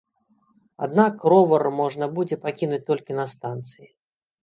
Аднак ровар можна будзе пакінуць толькі на станцыі.